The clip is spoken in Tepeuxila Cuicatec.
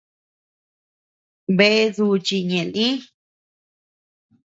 Bea duchi ñeʼe lï.